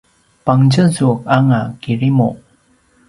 pangtjezu anga kirimu